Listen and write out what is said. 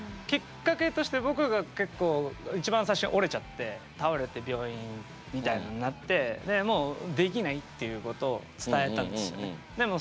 きっかけとして僕が結構一番最初に折れちゃって倒れて病院みたいなのになってでもうできないっていうことを伝えたんですよね。